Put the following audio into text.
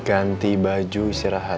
ganti baju istirahat